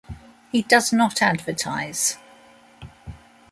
He does not advertise.